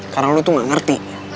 karena lo tuh gak ngerti